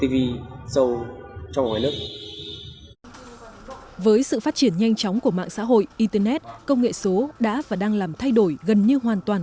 với sự phát triển nhanh chóng của mạng xã hội internet công nghệ số đã và đang làm thay đổi gần như hoàn toàn